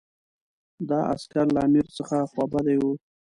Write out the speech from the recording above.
دا عسکر له امیر څخه خوابدي وو.